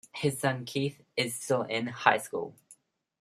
His son Keith is still in High School.